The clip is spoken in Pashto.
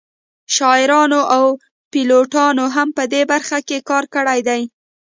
شاعرانو او پیلوټانو هم په دې برخه کې کار کړی دی